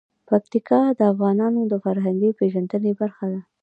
پکتیکا د افغانانو د فرهنګي پیژندنې برخه ده.